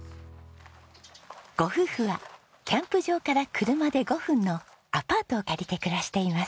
ご夫婦はキャンプ場から車で５分のアパートを借りて暮らしています。